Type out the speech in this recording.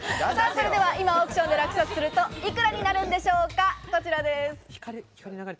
それでは今、オークションで落札すると幾らになるんでしょうか、こちらです。